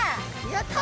やった！